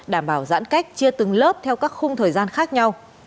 đảm bảo giãn cách chia từng lớp theo các khung thời gian khác nhau